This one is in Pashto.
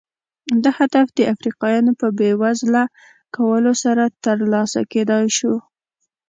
دا هدف د افریقایانو په بېوزله کولو سره ترلاسه کېدای شو.